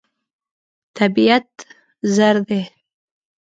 طبیعت زر دی.